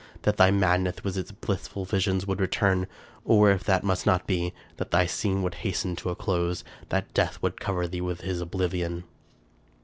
that thy madness, with its bHssful visions, would return ! or, if that must not be, that thy scene would hasten to a close !— that death would cover thee with his oblivion